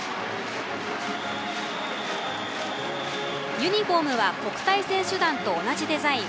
ユニフォームは国体選手団と同じデザイン。